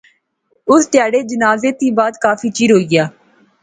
اس تہاڑے جنازے تھی بعد کافی چیر ہوئی گیا